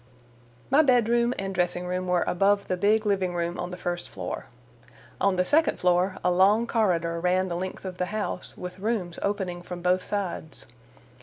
My bedroom and dressing room were above the big living room on the first floor. On the second floor a long corridor ran the length of the house, with rooms opening from both sides.